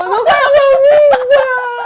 bukan aku bisa